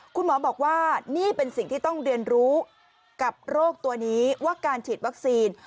คุณหมอบอกว่านี่เป็นสิ่งที่ต้องเรียนรู้กับโรคตัวนี้ว่าการฉีดวัคซีน